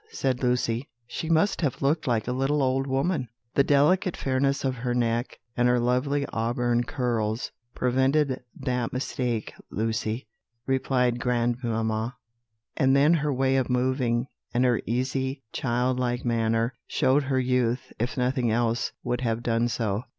said Lucy. "She must have looked like a little old woman." "The delicate fairness of her neck, and her lovely auburn curls, prevented that mistake, Lucy," replied grandmamma; "and then her way of moving, and her easy, child like manner, showed her youth, if nothing else would have done so.